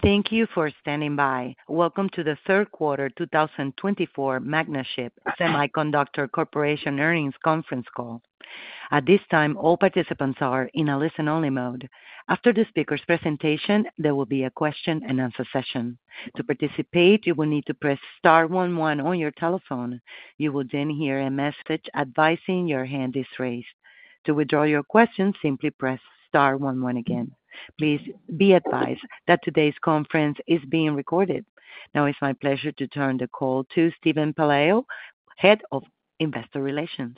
Thank you for standing by. Welcome to the third quarter 2024 Magnachip Semiconductor Corporation earnings conference call. At this time, all participants are in a listen-only mode. After the speaker's presentation, there will be a question-and-answer session. To participate, you will need to press star 11 on your telephone. You will then hear a message advising your hand is raised. To withdraw your question, simply press star 11 again. Please be advised that today's conference is being recorded. Now, it's my pleasure to turn the call to Stephen Paleo, Head of Investor Relations.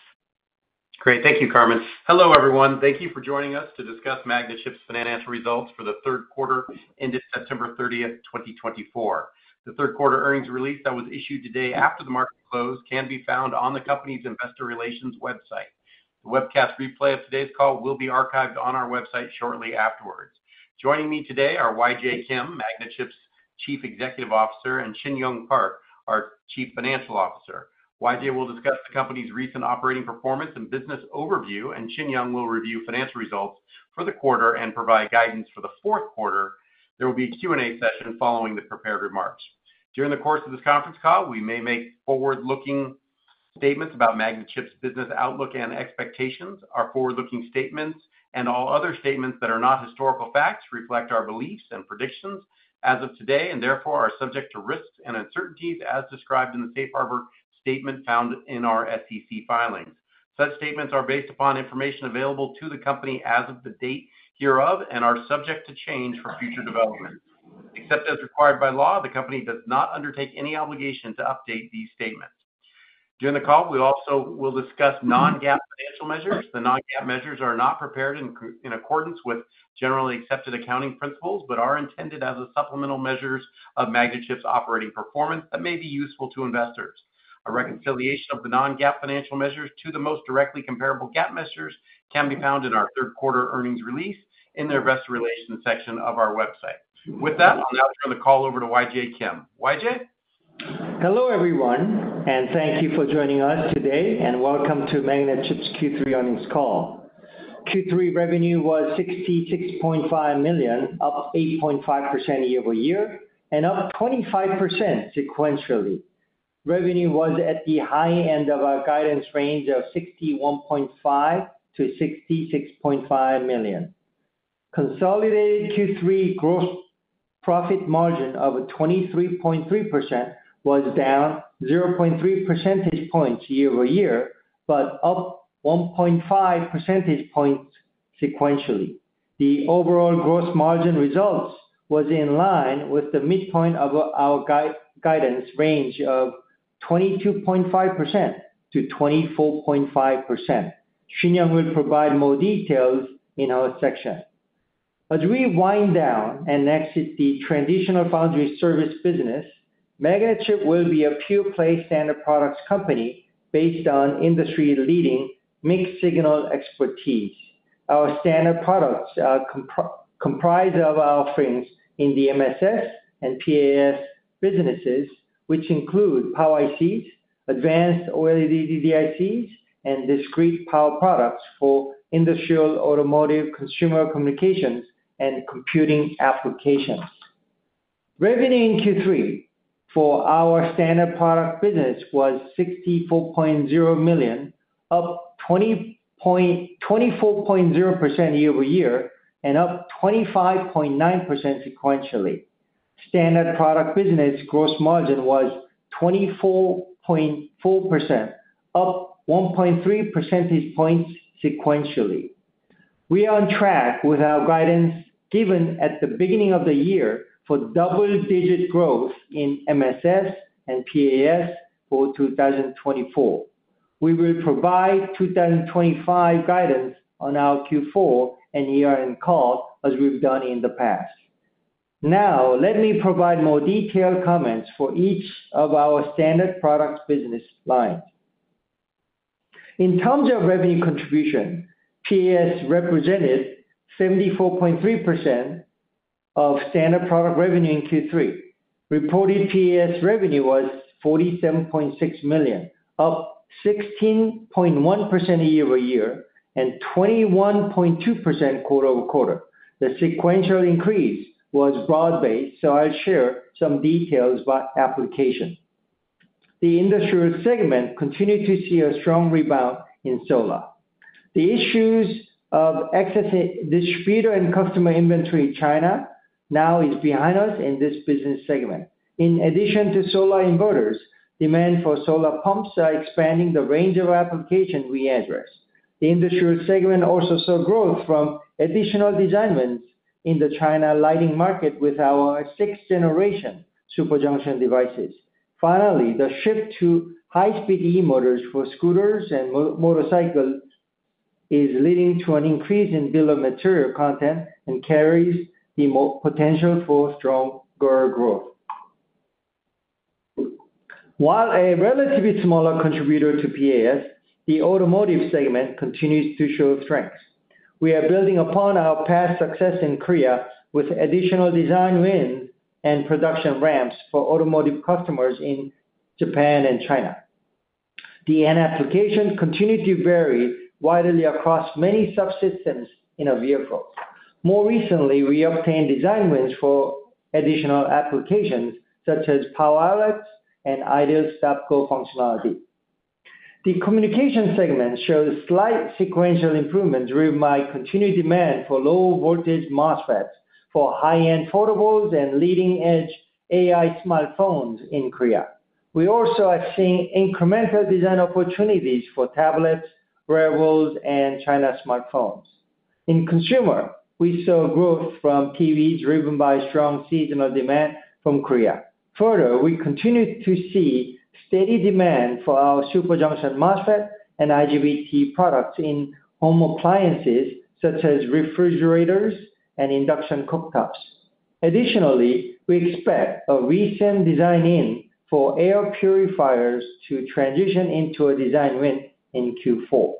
Great. Thank you, Carmen. Hello, everyone. Thank you for joining us to discuss Magnachip's financial results for the third quarter ended September 30, 2024. The third quarter earnings release that was issued today after the market closed can be found on the company's Investor Relations website. The webcast replay of today's call will be archived on our website shortly afterwards. Joining me today are Yujia Zhai, Magnachip's Chief Executive Officer, and Shin Young Park, our Chief Financial Officer. Yujia will discuss the company's recent operating performance and business overview, and Shin Young will review financial results for the quarter and provide guidance for the fourth quarter. There will be a Q&A session following the prepared remarks. During the course of this conference call, we may make forward-looking statements about Magnachip's business outlook and expectations. Our forward-looking statements and all other statements that are not historical facts reflect our beliefs and predictions as of today and therefore are subject to risks and uncertainties as described in the Safe Harbor statement found in our SEC filings. Such statements are based upon information available to the company as of the date hereof and are subject to change for future development. Except as required by law, the company does not undertake any obligation to update these statements. During the call, we also will discuss non-GAAP financial measures. The non-GAAP measures are not prepared in accordance with generally accepted accounting principles but are intended as supplemental measures of Magnachip's operating performance that may be useful to investors. A reconciliation of the non-GAAP financial measures to the most directly comparable GAAP measures can be found in our third quarter earnings release in the Investor Relations section of our website. With that, I'll now turn the call over to Yujia Zhai. Yujia? Hello, everyone, and thank you for joining us today, and welcome to Magnachip's Q3 earnings call. Q3 revenue was $66.5 million, up 8.5% year-over-year, and up 25% sequentially. Revenue was at the high end of our guidance range of $61.5-$66.5 million. Consolidated Q3 gross profit margin of 23.3% was down 0.3 percentage points year-over-year but up 1.5 percentage points sequentially. The overall gross margin results were in line with the midpoint of our guidance range of 22.5%-24.5%. Shin Young Park will provide more details in her section. As we wind down and exit the transitional foundry service business, Magnachip will be a pure-play standard products company based on industry-leading mixed-signal expertise. Our standard products comprise of offerings in the MSS and PAS businesses, which include power ICs, advanced OLED DDICs, and discrete power products for industrial, automotive, consumer communications, and computing applications. Revenue in Q3 for our standard product business was $64.0 million, up 24.0% year-over-year and up 25.9% sequentially. Standard product business gross margin was 24.4%, up 1.3 percentage points sequentially. We are on track with our guidance given at the beginning of the year for double-digit growth in MSS and PAS for 2024. We will provide 2025 guidance on our Q4 and year-end call as we've done in the past. Now, let me provide more detailed comments for each of our standard products business lines. In terms of revenue contribution, PAS represented 74.3% of standard product revenue in Q3. Reported PAS revenue was $47.6 million, up 16.1% year-over-year and 21.2% quarter-over-quarter. The sequential increase was broad-based, so I'll share some details about application. The industrial segment continued to see a strong rebound in solar. The issues of exiting distributor and customer inventory in China now are behind us in this business segment. In addition to solar inverters, demand for solar pumps is expanding the range of applications we address. The industrial segment also saw growth from additional design wins in the China lighting market with our sixth-generation superjunction devices. Finally, the shift to high-speed E-motors for scooters and motorcycles is leading to an increase in bill of material content and carries the potential for stronger growth. While a relatively smaller contributor to PAS, the automotive segment continues to show strength. We are building upon our past success in Korea with additional design wins and production ramps for automotive customers in Japan and China. The end applications continue to vary widely across many subsystems in our vehicles. More recently, we obtained design wins for additional applications such as power outlets and idle stop/go functionality. The communication segment shows slight sequential improvements with my continued demand for Low-Voltage MOSFETs for high-end foldables and leading-edge AI smartphones in Korea. We also have seen incremental design opportunities for tablets, wearables, and China smartphones. In consumer, we saw growth from TV driven by strong seasonal demand from Korea. Further, we continue to see steady demand for our Super Junction MOSFET and IGBT products in home appliances such as refrigerators and induction cooktops. Additionally, we expect a recent design in for air purifiers to transition into a design win in Q4.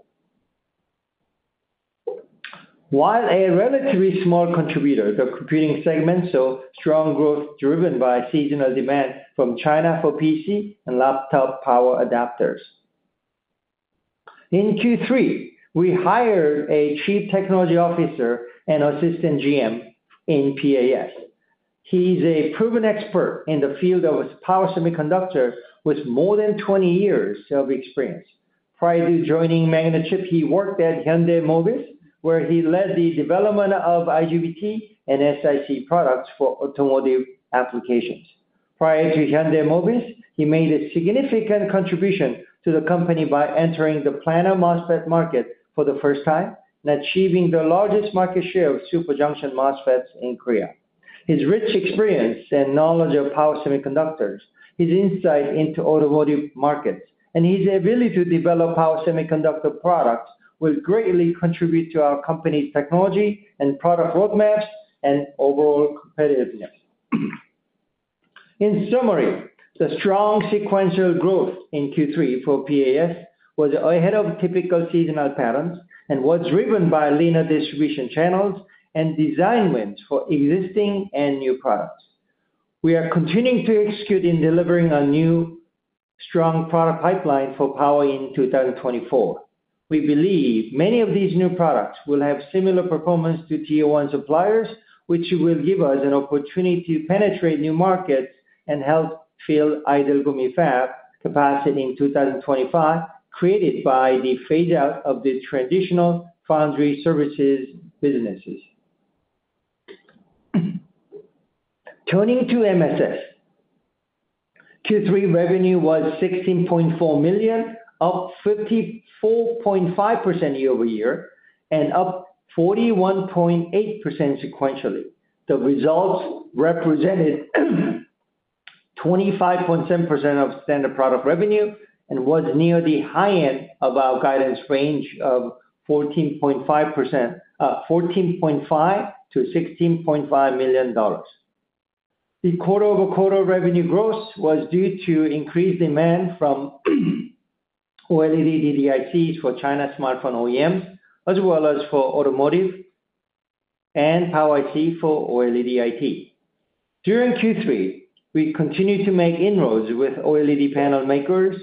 While a relatively small contributor, the computing segment saw strong growth driven by seasonal demand from China for PC and laptop power adapters. In Q3, we hired a Chief Technology Officer and Assistant GM in PAS. He is a proven expert in the field of power semiconductors with more than 20 years of experience. Prior to joining Magnachip, he worked at Hyundai Motor Company, where he led the development of IGBT and SiC products for automotive applications. Prior to Hyundai Motor Company, he made a significant contribution to the company by entering the planar MOSFET market for the first time and achieving the largest market share of super junction MOSFETs in Korea. His rich experience and knowledge of power semiconductors, his insight into automotive markets, and his ability to develop power semiconductor products will greatly contribute to our company's technology and product roadmaps and overall competitiveness. In summary, the strong sequential growth in Q3 for PAS was ahead of typical seasonal patterns and was driven by linear distribution channels and design wins for existing and new products. We are continuing to execute in delivering a new strong product pipeline for power in 2024. We believe many of these new products will have similar performance to tier one suppliers, which will give us an opportunity to penetrate new markets and help fill idle Gumi fab capacity in 2025 created by the phase-out of the traditional foundry services businesses. Turning to MSS, Q3 revenue was $16.4 million, up 54.5% year-over-year and up 41.8% sequentially. The results represented 25.7% of standard product revenue and was near the high end of our guidance range of $14.5-$16.5 million. The quarter-over-quarter revenue growth was due to increased demand from OLED DICs for China smartphone OEMs, as well as for automotive and power IC for OLED IT. During Q3, we continued to make inroads with OLED panel makers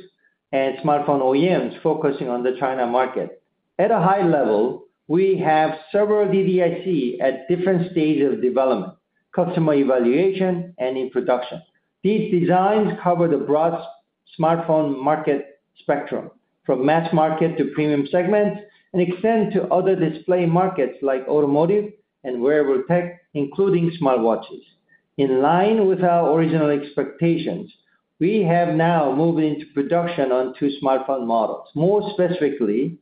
and smartphone OEMs focusing on the China market. At a high level, we have several DICs at different stages of development, customer evaluation, and in production. These designs cover the broad smartphone market spectrum from mass market to premium segments and extend to other display markets like automotive and wearable tech, including smartwatches. In line with our original expectations, we have now moved into production on two smartphone models. More specifically,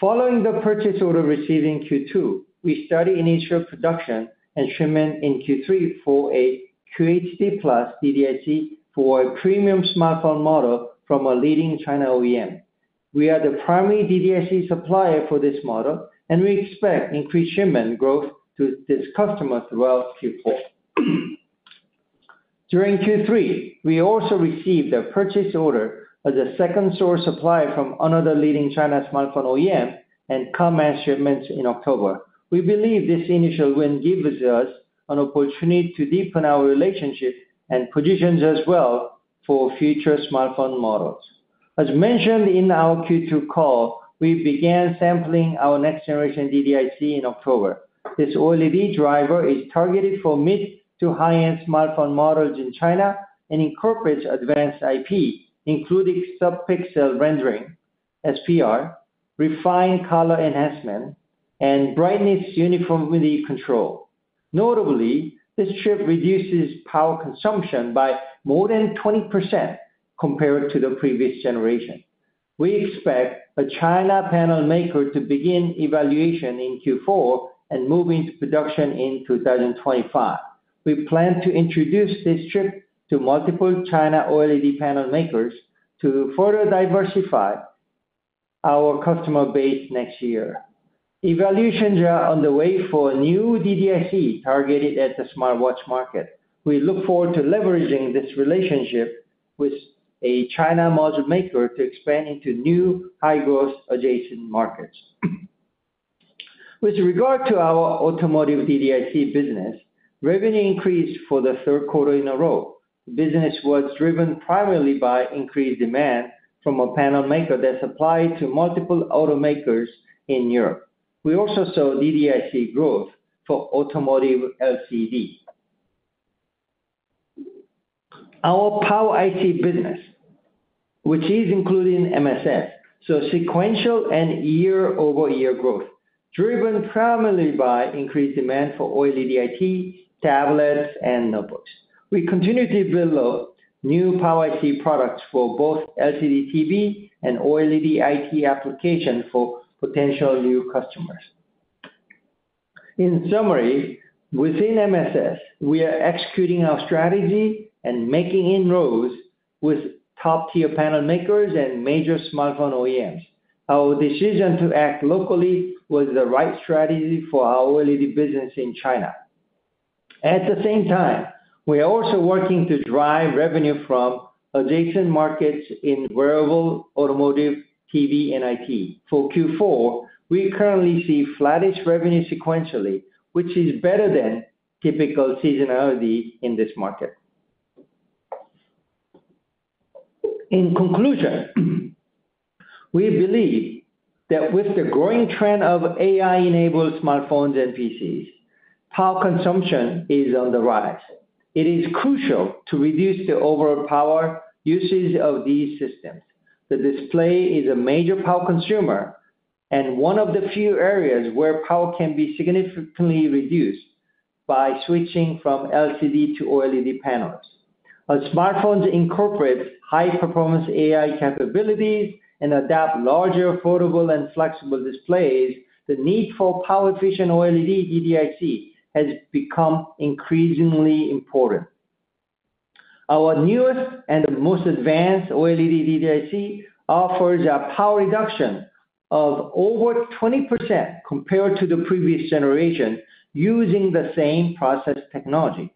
following the purchase order received in Q2, we started initial production and shipment in Q3 for a QHD+ DIC for a premium smartphone model from a leading China OEM. We are the primary DIC supplier for this model, and we expect increased shipment growth to this customer throughout Q4. During Q3, we also received a purchase order as a second source supplier from another leading China smartphone OEM and commence shipments in October. We believe this initial win gives us an opportunity to deepen our relationship and positions us well for future smartphone models. As mentioned in our Q2 call, we began sampling our next-generation DIC in October. This OLED driver is targeted for mid- to high-end smartphone models in China and incorporates advanced IP, including subpixel rendering, SPR, refined color enhancement, and brightness uniformity control. Notably, this chip reduces power consumption by more than 20% compared to the previous generation. We expect a China panel maker to begin evaluation in Q4 and move into production in 2025. We plan to introduce this chip to multiple China OLED panel makers to further diversify our customer base next year. Evaluations are underway for a new DIC targeted at the smartwatch market. We look forward to leveraging this relationship with a China module maker to expand into new high-growth adjacent markets. With regard to our automotive DIC business, revenue increased for the third quarter in a row. The business was driven primarily by increased demand from a panel maker that supplied to multiple automakers in Europe. We also saw DIC growth for automotive LCD. Our power IC business, which is including MSS, saw sequential and year-over-year growth driven primarily by increased demand for OLED IT tablets and notebooks. We continue to develop new power IC products for both LCD TV and OLED IT applications for potential new customers. In summary, within MSS, we are executing our strategy and making inroads with top-tier panel makers and major smartphone OEMs. Our decision to act locally was the right strategy for our OLED business in China. At the same time, we are also working to drive revenue from adjacent markets in wearable, automotive, TV, and IT. For Q4, we currently see flattish revenue sequentially, which is better than typical seasonality in this market. In conclusion, we believe that with the growing trend of AI-enabled smartphones and PCs, power consumption is on the rise. It is crucial to reduce the overall power usage of these systems. The display is a major power consumer and one of the few areas where power can be significantly reduced by switching from LCD to OLED panels. As smartphones incorporate high-performance AI capabilities and adopt larger foldable and flexible displays, the need for power-efficient OLED DDIC has become increasingly important. Our newest and most advanced OLED DDIC offers a power reduction of over 20% compared to the previous generation using the same process technology.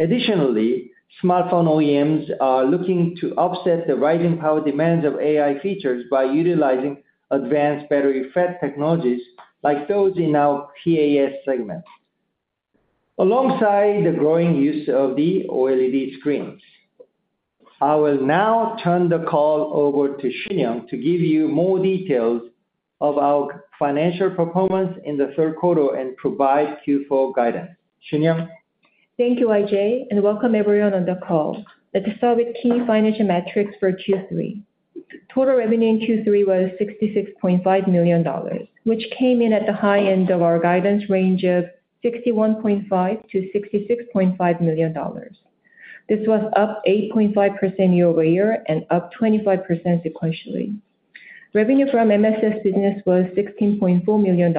Additionally, smartphone OEMs are looking to offset the rising power demands of AI features by utilizing advanced battery FET technologies like those in our PAS segment, alongside the growing use of the OLED screens. I will now turn the call over to Shin Young to give you more details of our financial performance in the third quarter and provide Q4 guidance. Shin Young. Thank you, Yujia, and welcome everyone on the call. Let's start with key financial metrics for Q3. Total revenue in Q3 was $66.5 million, which came in at the high end of our guidance range of $61.5-$66.5 million. This was up 8.5% year-over-year and up 25% sequentially. Revenue from MSS business was $16.4 million,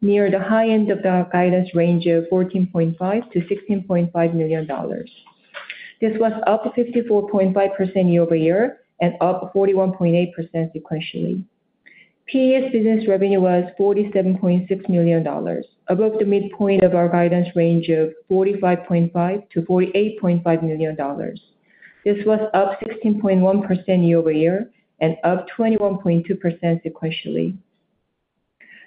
near the high end of our guidance range of $14.5-$16.5 million. This was up 54.5% year-over-year and up 41.8% sequentially. PAS business revenue was $47.6 million, above the midpoint of our guidance range of $45.5-$48.5 million. This was up 16.1% year-over-year and up 21.2% sequentially.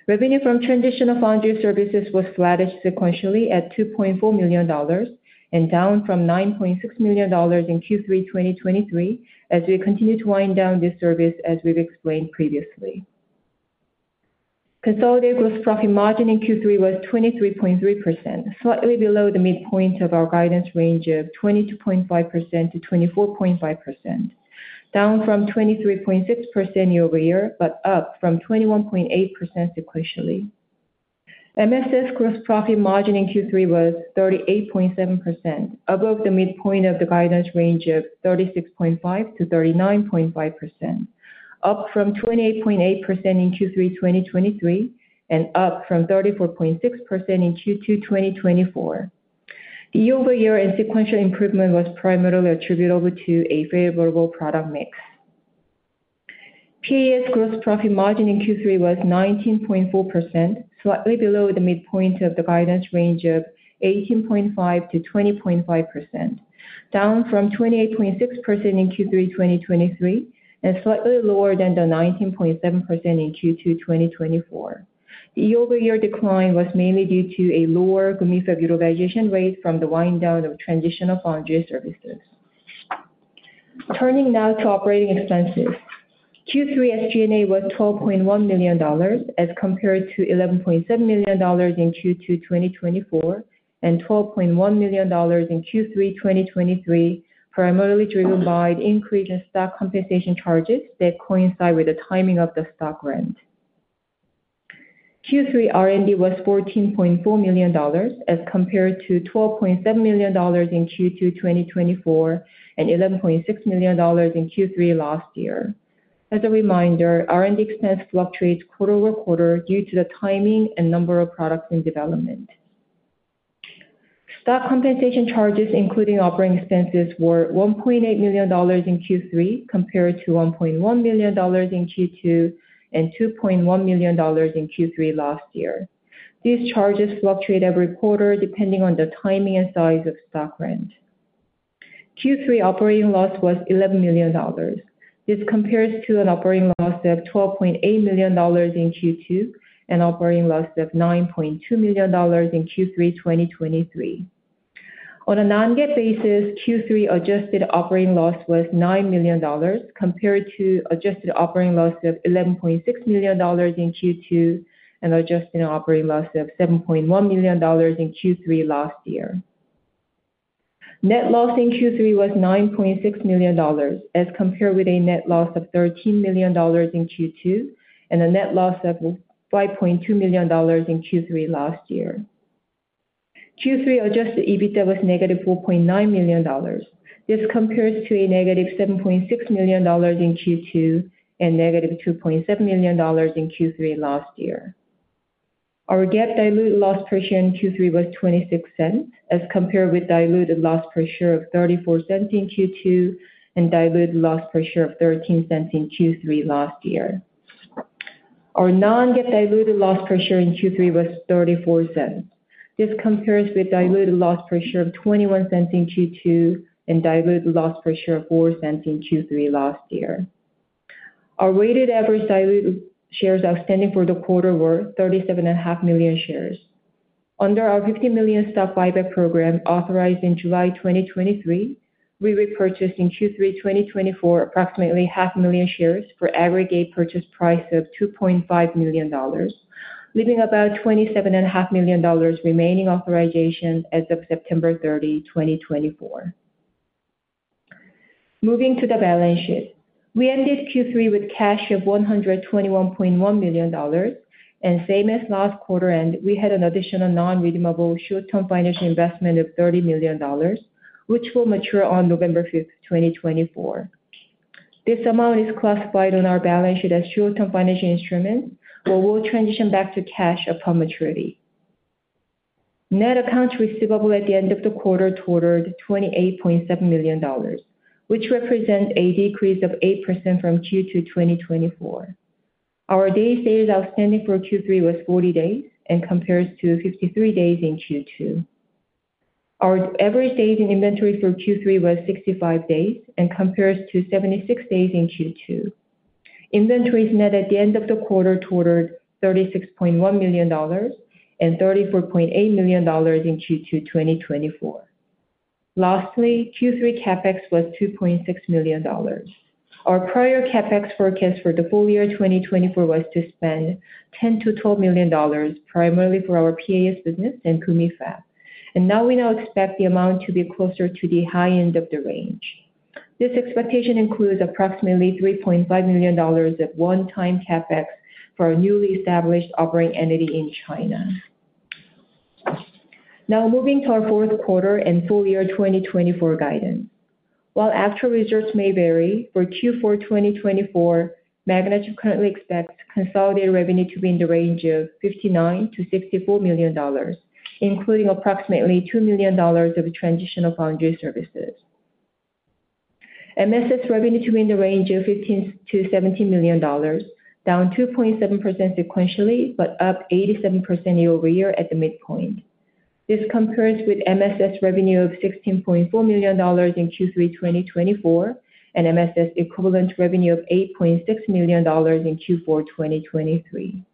Revenue from transitional foundry services was flattish sequentially at $2.4 million and down from $9.6 million in Q3 2023 as we continue to wind down this service, as we've explained previously. Consolidated gross profit margin in Q3 was 23.3%, slightly below the midpoint of our guidance range of 22.5%-24.5%, down from 23.6% year-over-year, but up from 21.8% sequentially. MSS gross profit margin in Q3 was 38.7%, above the midpoint of the guidance range of 36.5%-39.5%, up from 28.8% in Q3 2023 and up from 34.6% in Q2 2024. The year-over-year and sequential improvement was primarily attributable to a favorable product mix. PAS gross profit margin in Q3 was 19.4%, slightly below the midpoint of the guidance range of 18.5%-20.5%, down from 28.6% in Q3 2023 and slightly lower than the 19.7% in Q2 2024. The year-over-year decline was mainly due to a lower Gumi fab utilization rate from the wind down of transitional foundry services. Turning now to operating expenses. Q3 SG&A was $12.1 million as compared to $11.7 million in Q2 2024 and $12.1 million in Q3 2023, primarily driven by the increase in stock compensation charges that coincide with the timing of the stock grant. Q3 R&D was $14.4 million as compared to $12.7 million in Q2 2024 and $11.6 million in Q3 last year. As a reminder, R&D expense fluctuates quarter over quarter due to the timing and number of products in development. Stock compensation charges, including operating expenses, were $1.8 million in Q3 compared to $1.1 million in Q2 and $2.1 million in Q3 last year. These charges fluctuate every quarter depending on the timing and size of stock grant. Q3 operating loss was $11 million. This compares to an operating loss of $12.8 million in Q2 and operating loss of $9.2 million in Q3 2023. On a non-GAAP basis, Q3 adjusted operating loss was $9 million compared to adjusted operating loss of $11.6 million in Q2 and adjusted operating loss of $7.1 million in Q3 last year. Net loss in Q3 was $9.6 million as compared with a net loss of $13 million in Q2 and a net loss of $5.2 million in Q3 last year. Q3 adjusted EBITDA was negative $4.9 million. This compares to a negative $7.6 million in Q2 and negative $2.7 million in Q3 last year. Our GAAP-diluted loss per share in Q3 was $0.26 as compared with diluted loss per share of $0.34 in Q2 and diluted loss per share of $0.13 in Q3 last year. Our non-GAAP-diluted loss per share in Q3 was $0.34. This compares with diluted loss per share of $0.21 in Q2 and diluted loss per share of $0.04 in Q3 last year. Our weighted average diluted shares outstanding for the quarter were 37.5 million shares. Under our $50 million stock buyback program authorized in July 2023, we repurchased in Q3 2024 approximately 500,000 shares for aggregate purchase price of $2.5 million, leaving about $27.5 million remaining authorization as of September 30, 2024. Moving to the balance sheet, we ended Q3 with cash of $121.1 million, and same as last quarter, we had an additional non-redeemable short-term financial investment of $30 million, which will mature on November 5, 2024. This amount is classified on our balance sheet as short-term financial instruments, but we'll transition back to cash upon maturity. Net accounts receivable at the end of the quarter totaled $28.7 million, which represents a decrease of 8% from Q2 2024. Our days sales outstanding for Q3 was 40 days and compares to 53 days in Q2. Our average days in inventory for Q3 was 65 days and compares to 76 days in Q2. Net inventory at the end of the quarter totaled $36.1 million and $34.8 million in Q2 2024. Lastly, Q3 CapEx was $2.6 million. Our prior CapEx forecast for the full year 2024 was to spend $10-$12 million, primarily for our PAS business and Gumi fab, and now we expect the amount to be closer to the high end of the range. This expectation includes approximately $3.5 million of one-time CapEx for a newly established operating entity in China. Now, moving to our fourth quarter and full year 2024 guidance. While actual results may vary, for Q4 2024, Magnachip Semiconductor expects consolidated revenue to be in the range of $59-$64 million, including approximately $2 million of transitional foundry services. MSS revenue to be in the range of $15-$17 million, down 2.7% sequentially, but up 87% year-over-year at the midpoint. This compares with MSS revenue of $16.4 million in Q3 2024 and MSS equivalent revenue of $8.6 million in Q4 2023.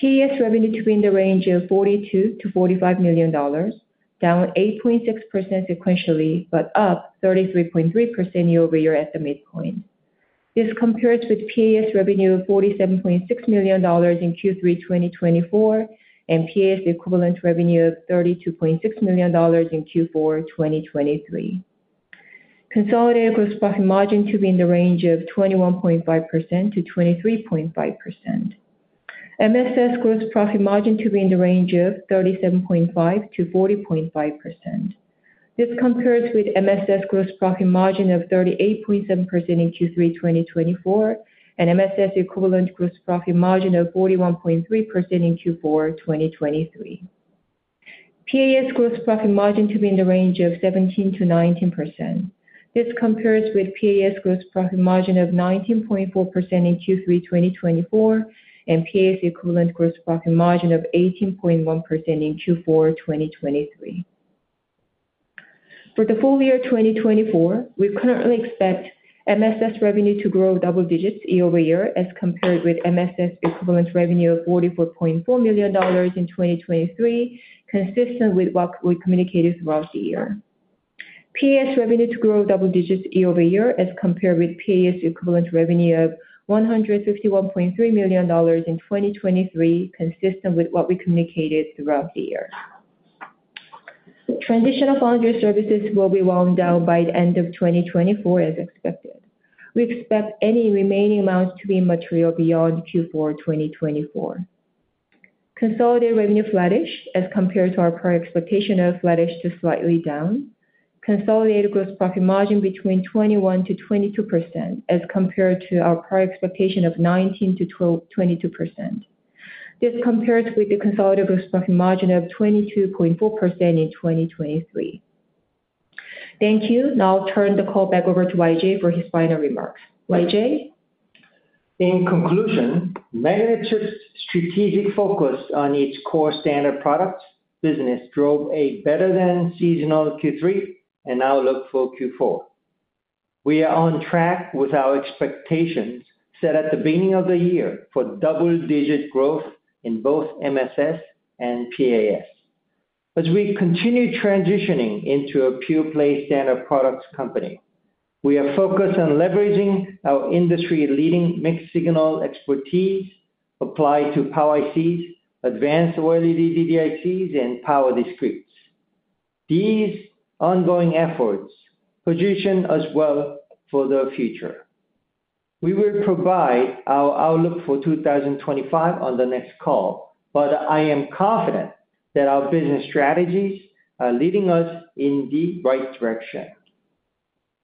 PAS revenue to be in the range of $42-$45 million, down 8.6% sequentially, but up 33.3% year-over-year at the midpoint. This compares with PAS revenue of $47.6 million in Q3 2024 and PAS equivalent revenue of $32.6 million in Q4 2023. Consolidated gross profit margin to be in the range of 21.5%-23.5%. MSS gross profit margin to be in the range of 37.5%-40.5%. This compares with MSS gross profit margin of 38.7% in Q3 2024 and MSS equivalent gross profit margin of 41.3% in Q4 2023. PAS gross profit margin to be in the range of 17%-19%. This compares with PAS gross profit margin of 19.4% in Q3 2024 and PAS equivalent gross profit margin of 18.1% in Q4 2023. For the full year 2024, we currently expect MSS revenue to grow double digits year-over-year as compared with MSS equivalent revenue of $44.4 million in 2023, consistent with what we communicated throughout the year. PAS revenue to grow double digits year-over-year as compared with PAS equivalent revenue of $151.3 million in 2023, consistent with what we communicated throughout the year. Transitional foundry services will be wound down by the end of 2024 as expected. We expect any remaining amount to be material beyond Q4 2024. Consolidated revenue flattish as compared to our prior expectation of flattish to slightly down. Consolidated gross profit margin between 21%-22% as compared to our prior expectation of 19%-22%. This compares with the consolidated gross profit margin of 22.4% in 2023. Thank you. Now I'll turn the call back over to Yujia for his final remarks. Yujia. In conclusion, Magnachip's strategic focus on its core standard products business drove a better-than-seasonal Q3 and now look for Q4. We are on track with our expectations set at the beginning of the year for double-digit growth in both MSS and PAS. As we continue transitioning into a pure-play standard products company, we are focused on leveraging our industry-leading mixed signal expertise applied to power ICs, advanced OLED DICs, and power discretes. These ongoing efforts position us well for the future. We will provide our outlook for 2025 on the next call, but I am confident that our business strategies are leading us in the right direction.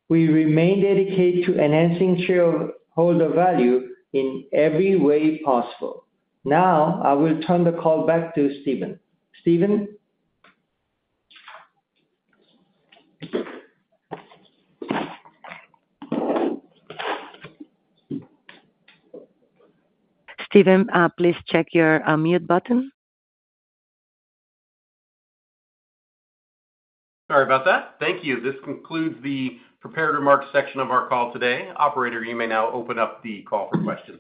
We remain dedicated to enhancing shareholder value in every way possible. Now, I will turn the call back to Stephen. Stephen. Stephen, please check your mute button. Sorry about that. Thank you. This concludes the prepared remarks section of our call today. Operator, you may now open up the call for questions.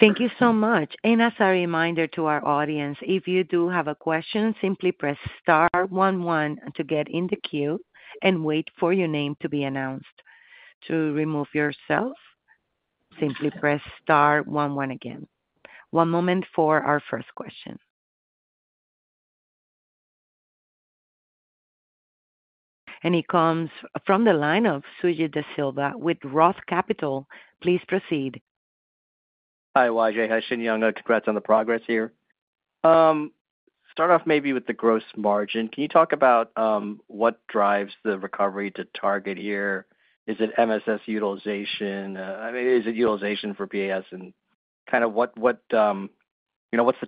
Thank you so much, and as a reminder to our audience, if you do have a question, simply press Star 11 to get in the queue and wait for your name to be announced. To remove yourself, simply press Star 11 again. One moment for our first question, and it comes from the line of Suji De Silva with Roth Capital. Please proceed. Hi, Yujia. Hi, Shin Young. Congrats on the progress here. Start off maybe with the gross margin. Can you talk about what drives the recovery to target here? Is it MSS utilization? Is it utilization for PAS? And kind of what's the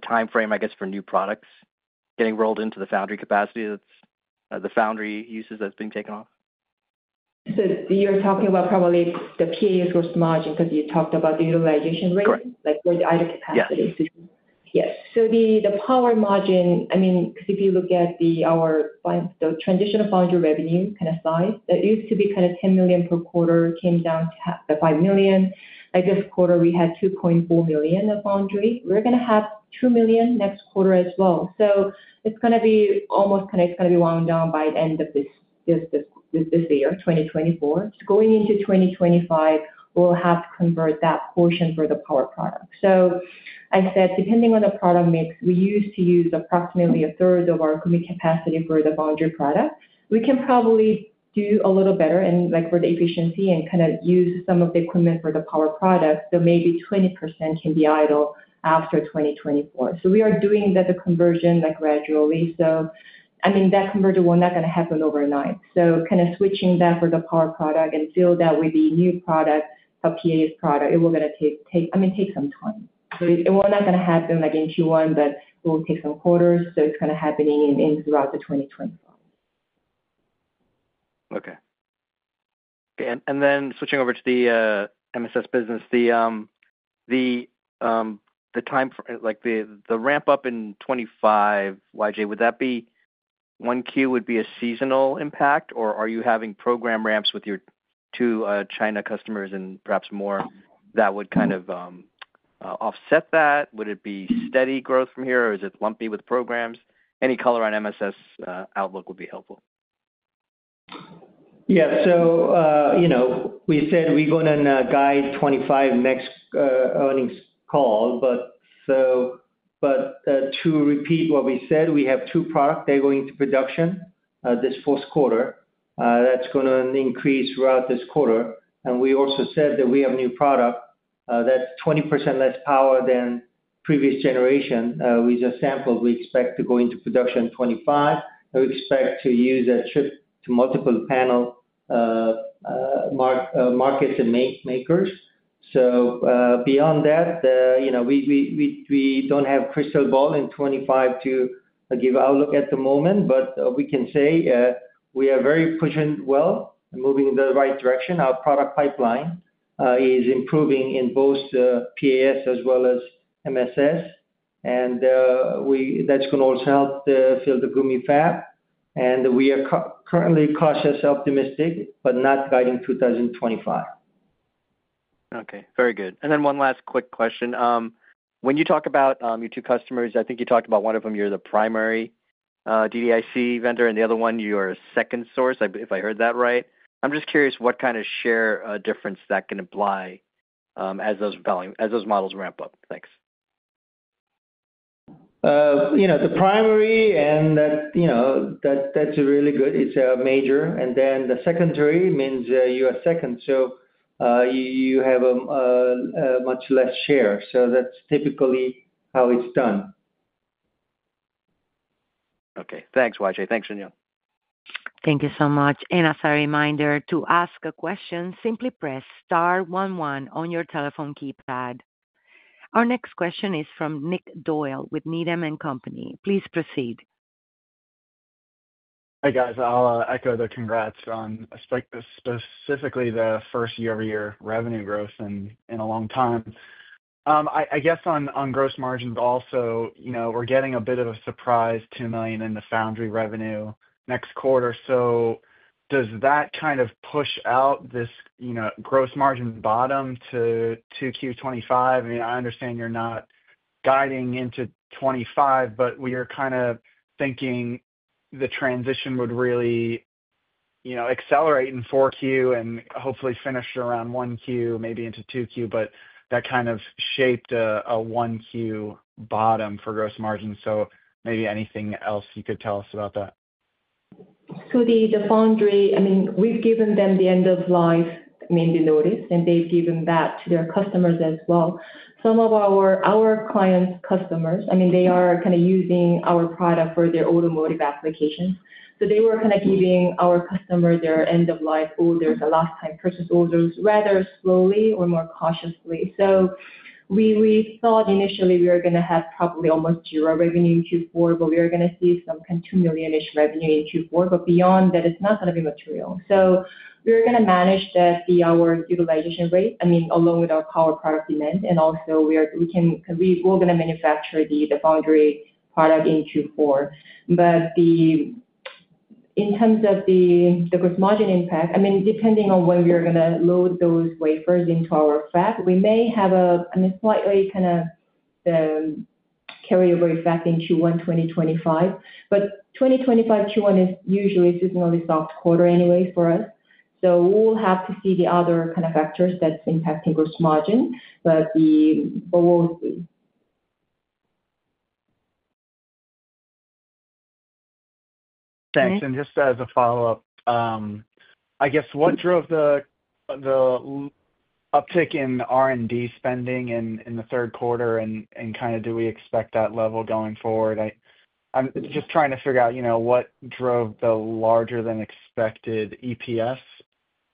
time frame, I guess, for new products getting rolled into the foundry capacity that's the foundry uses that's being taken off? So you're talking about probably the PAS gross margin because you talked about the utilization rate. Correct. For the other capacities. Yes. So the power margin, I mean, because if you look at our transitional foundry revenue kind of size, that used to be kind of $10 million per quarter, came down to $5 million. This quarter, we had $2.4 million of foundry. We're going to have $2 million next quarter as well. It's going to be almost kind of wound down by the end of this year, 2024. Going into 2025, we'll have to convert that portion for the power product. So I said, depending on the product mix, we used to use approximately a third of our Gumi capacity for the foundry product. We can probably do a little better for the efficiency and kind of use some of the equipment for the power product. So maybe 20% can be idle after 2024. So we are doing the conversion gradually. So, I mean, that conversion will not going to happen overnight. So kind of switching that for the power product and fill that with the new product, the PAS product, it will going to take, I mean, take some time. So it will not going to happen in Q1, but it will take some quarters. It's going to happen throughout 2025. Okay. And then switching over to the MSS business, the ramp-up in 2025, Yujia, would that be one Q would be a seasonal impact, or are you having program ramps with your two China customers and perhaps more that would kind of offset that? Would it be steady growth from here, or is it lumpy with programs? Any color on MSS outlook would be helpful. Yeah. So we said we're going to guide 2025 next earnings call, but to repeat what we said, we have two products they're going to production this fourth quarter. That's going to increase throughout this quarter. And we also said that we have a new product that's 20% less power than previous generation. With the sample, we expect to go into production 2025. We expect to use a chip to multiple panel markets and makers. So beyond that, we don't have crystal ball in 2025 to give outlook at the moment, but we can say we are very pushing well and moving in the right direction. Our product pipeline is improving in both PAS as well as MSS, and that's going to also help fill the Gumi fab. And we are currently cautious, optimistic, but not guiding 2025. Okay. Very good. And then one last quick question. When you talk about your two customers, I think you talked about one of them, you're the primary DDIC vendor, and the other one, you're a second source, if I heard that right. I'm just curious what kind of share difference that can apply as those models ramp up. Thanks. The primary, and that's really good. It's a major. And then the secondary means you are second, so you have much less share. So that's typically how it's done. Okay. Thanks, Yujia. Thanks, Shin Young. Thank you so much. And as a reminder, to ask a question, simply press Star 11 on your telephone keypad. Our next question is from Nick Doyle with Needham & Company. Please proceed. Hey, guys. I'll echo the congrats on specifically the first year-over-year revenue growth in a long time. I guess on gross margins also, we're getting a bit of a surprise $2 million in the foundry revenue next quarter. So does that kind of push out this gross margin bottom to Q2 2025? I mean, I understand you're not guiding into 2025, but we are kind of thinking the transition would really accelerate in fourth quarter and hopefully finish around first quarter, maybe into second quarter, but that kind of shaped a first quarter bottom for gross margin. So, maybe anything else you could tell us about that? So, the foundry, I mean, we've given them the end-of-life, I mean, the notice, and they've given that to their customers as well. Some of our clients' customers, I mean, they are kind of using our product for their automotive applications. So, they were kind of giving our customers their end-of-life orders, their last-time purchase orders, rather slowly or more cautiously. So, we thought initially we were going to have probably almost zero revenue in Q4, but we were going to see some kind of $2 million-ish revenue in Q4. But beyond that, it's not going to be material. So, we're going to manage that via our utilization rate, I mean, along with our power product demand. And also, we're going to manufacture the foundry product in Q4. But in terms of the gross margin impact, I mean, depending on when we are going to load those wafers into our fab, we may have a slightly kind of carryover effect in Q1 2025. But 2025 Q1 is usually a seasonally soft quarter anyway for us. So we'll have to see the other kind of factors that's impacting gross margin, but we'll see. Thanks. And just as a follow-up, I guess, what drove the uptick in R&D spending in the third quarter, and kind of do we expect that level going forward? I'm just trying to figure out what drove the larger-than-expected EPS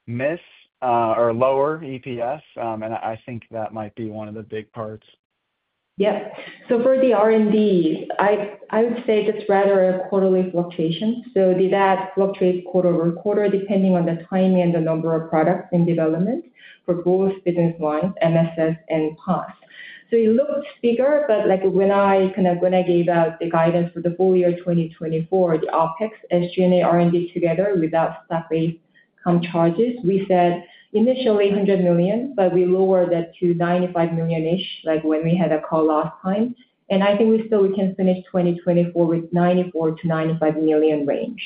miss or lower EPS. And I think that might be one of the big parts. Yep. So for the R&D, I would say just rather a quarterly fluctuation. So that fluctuates quarter over quarter depending on the timing and the number of products in development for both business lines, MSS and PAS. So it looks bigger, but when I kind of gave out the guidance for the full year 2024, the OPEX, SG&A R&D together without staff-based comp charges, we said initially $100 million, but we lowered that to $95 million-ish when we had a call last time. And I think we still can finish 2024 with $94-$95 million range.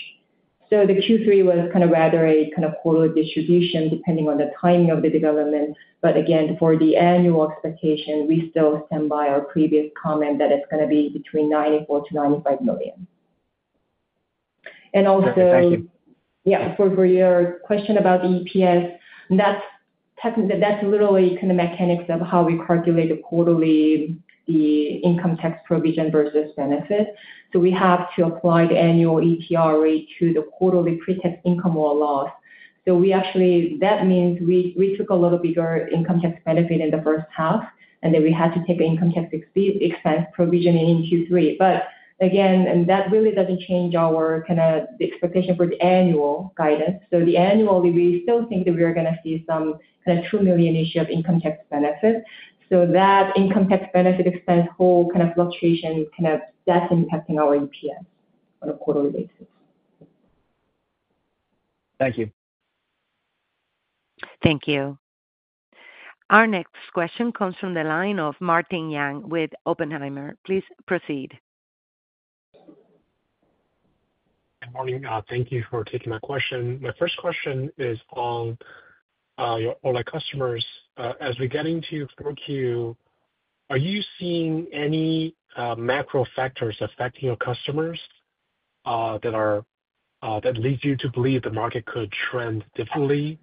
So the Q3 was kind of rather a kind of quarterly distribution depending on the timing of the development. But again, for the annual expectation, we still stand by our previous comment that it's going to be between $94-$95 million. And also. Thank you. Yeah. For your question about the EPS, that's literally kind of mechanics of how we calculate quarterly the income tax provision versus benefit. So we have to apply the annual ETR rate to the quarterly pretax income or loss. So that means we took a little bigger income tax benefit in the first half, and then we had to take an income tax expense provision in Q3. But again, that really doesn't change our kind of expectation for the annual guidance. So the annual, we still think that we are going to see some kind of $2 million-ish of income tax benefit. So that income tax benefit expense whole kind of fluctuation, kind of that's impacting our EPS on a quarterly basis. Thank you. Thank you. Our next question comes from the line of Martin Yang with Oppenheimer. Please proceed. Good morning. Thank you for taking my question. My first question is on all our customers. As we get into fourth quarter, are you seeing any macro factors affecting your customers that leads you to believe the market could trend differently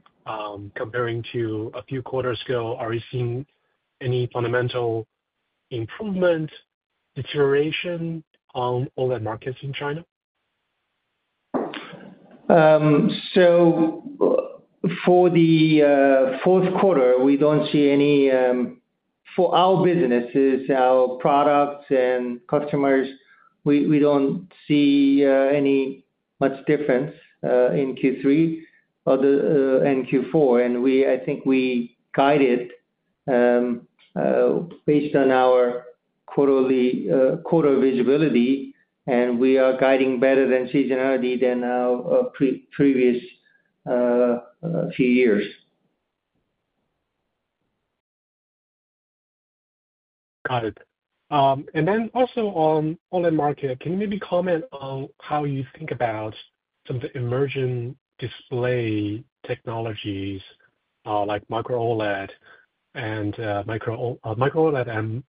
comparing to a few quarters ago? Are you seeing any fundamental improvement, deterioration on all the markets in China? So for the fourth quarter, we don't see any for our businesses, our products and customers, we don't see any much difference in Q3 and Q4. And I think we guided based on our quarter-to-quarter visibility, and we are guiding better than seasonality than our previous few years. Got it. And then also on OLED market, can you maybe comment on how you think about some of the emerging display technologies like micro-OLED and micro-LED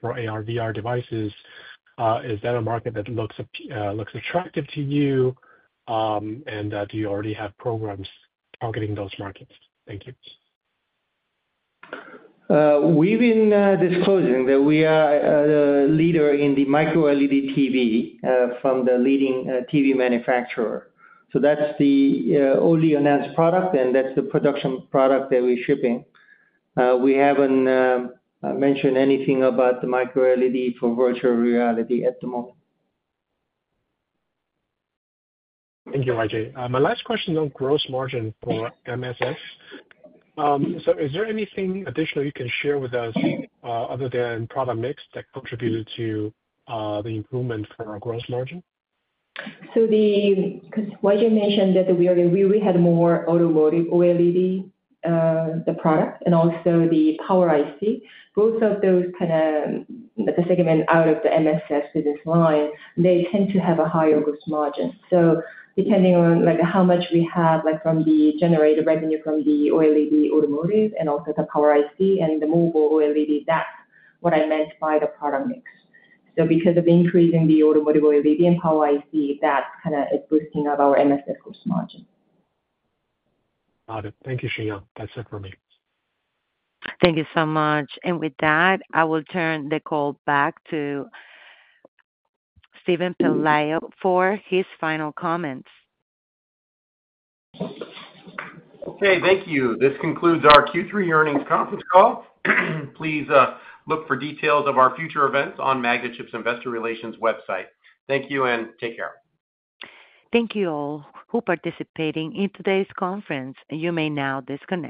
for AR/VR devices? Is that a market that looks attractive to you? And do you already have programs targeting those markets? Thank you. We've been disclosing that we are the leader in the micro-LED TV from the leading TV manufacturer. So that's the only announced product, and that's the production product that we're shipping. We haven't mentioned anything about the micro-LED for virtual reality at the moment. Thank you, Yujia. My last question on gross margin for MSS. So is there anything additional you can share with us other than product mix that contributed to the improvement for our gross margin? So because Yujia mentioned that we already had more automotive OLED, the product, and also the power IC. Both of those kind of the segment out of the MSS business line, they tend to have a higher gross margin. So depending on how much we have from the generated revenue from the OLED automotive and also the power IC and the mobile OLED, that's what I meant by the product mix. So because of increasing the automotive OLED and power IC, that kind of is boosting up our MSS gross margin. Got it. Thank you, Shin Young. That's it for me. Thank you so much. And with that, I will turn the call back to Stephen Paleo for his final comments. Okay. Thank you. This concludes our Q3 earnings conference call. Please look for details of our future events on Magnachip's investor relations website. Thank you and take care. Thank you all who participated in today's conference. You may now disconnect.